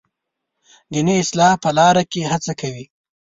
دیني اصلاح په لاره کې هڅه کوي.